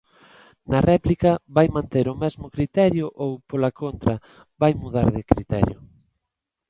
¿Na réplica vai manter o mesmo criterio ou, pola contra, vai mudar de criterio?